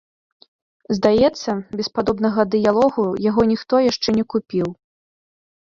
Здаецца, без падобнага дыялогу яго ніхто яшчэ не купіў.